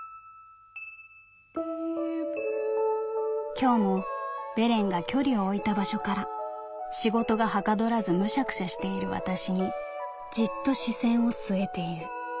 「今日もベレンが距離を置いた場所から仕事が捗らずむしゃくしゃしている私にじっと視線を据えている。